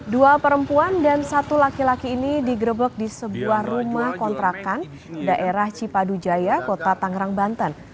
dua perempuan dan satu laki laki ini digerebek di sebuah rumah kontrakan daerah cipadu jaya kota tangerang banten